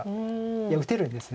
いや打てるんですね